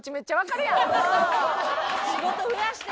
仕事増やして